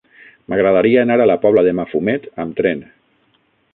M'agradaria anar a la Pobla de Mafumet amb tren.